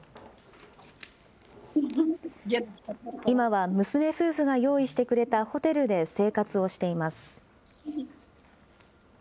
今は娘夫婦が用意してくれたホテルで生活をしています。